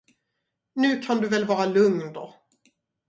Nu kan du väl vara lugn då.